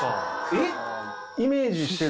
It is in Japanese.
えっ？